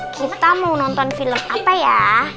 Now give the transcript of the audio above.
kita mau nonton film apa ya